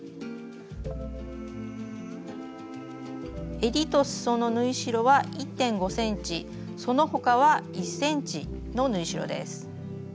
えりとすその縫い代は１．５ｃｍその他は１ｃｍの縫い代です。